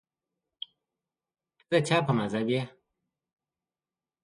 ته د چا په مذهب یې